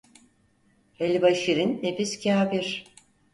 Helva şirin, nefis kafir.